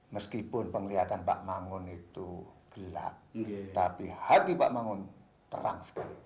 meskipun penglihatan pak mangun itu gelap tapi hati pak mangun terang sekali